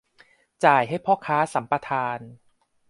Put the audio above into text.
จ่ายให้พ่อค้าสัมปทาน